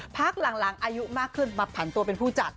พักหลังอายุมากขึ้นมาผันตัวเป็นผู้จัด